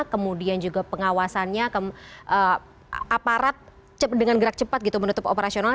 kemudian juga pengawasannya ke aparat dengan gerak cepat gitu menutup operasional